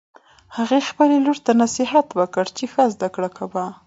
هغې خپل لور ته نصیحت وکړ چې ښه زده کړه کوه